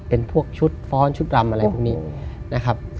เป็นพวกชุดฟ้อนชุดรำอะไรพวกนี้นะครับ